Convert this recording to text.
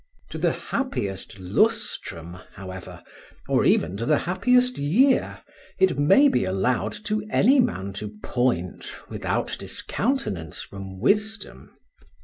To the happiest lustrum, however, or even to the happiest year, it may be allowed to any man to point without discountenance from wisdom.